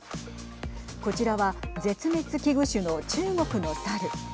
こちらは絶滅危惧種の中国の猿。